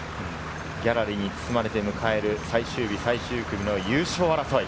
ギャラリーに包まれて迎える最終日最終組の優勝争い。